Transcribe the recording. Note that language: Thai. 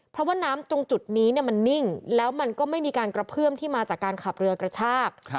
เพราะว่าน้ำตรงจุดนี้มันนิ่งแล้วมันก็ไม่มีการกระเพื่อมที่มาจากการขับเรือกระชาก